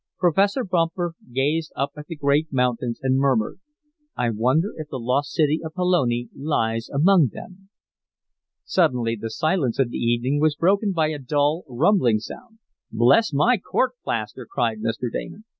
Professor Bumper gazed up at the great mountains and murmured: "I wonder if the lost city of Pelone lies among them?" Suddenly the silence of the evening was broken by a dull, rumbling sound. "Bless my court plaster!" cried Mr. Damon.